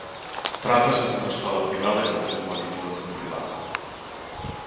Trátase dunha escola privada que ofrece unha titulación privada.